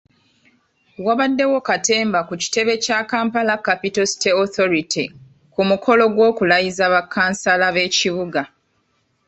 Wabaddewo katemba ku kitebe kya Kampala Capital City Authority ku mukolo gw’okulayiza bakkansala b’ekibuga.